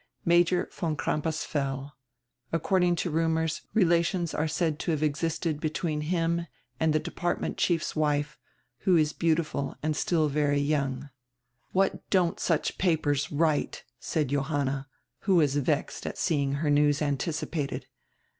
Major von Crampas fell. According to rumors, relations are said to have existed between him and the Department Chiefs wife, who is beautiful and still very young." "What don't such papers write?" said Johanna, who was vexed at seeing her news anticipated.